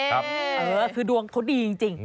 คือดวงเขาดีจริง